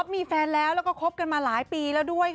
มีแฟนแล้วแล้วก็คบกันมาหลายปีแล้วด้วย